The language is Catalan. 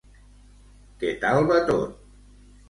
Què tal va tot?